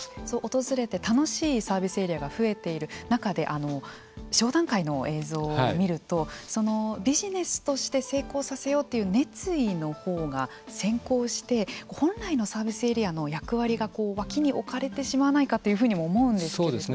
訪れて楽しいサービスエリアが増えている中で商談会の映像を見るとビジネスとして成功させようという熱意のほうが先行して本来のサービスエリアの役割が脇に置かれてしまうかというふうにも思うんですけれども。